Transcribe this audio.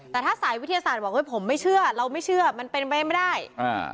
แต่ถ้าสายวิทยาศาสตร์บอกเฮ้ยผมไม่เชื่อเราไม่เชื่อมันเป็นไปไม่ได้อ่า